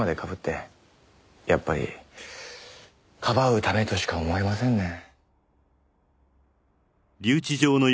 やっぱりかばうためとしか思えませんね。